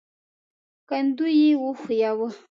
کندو يې وښوياوه.